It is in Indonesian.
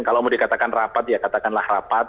kalau mau dikatakan rapat ya katakanlah rapat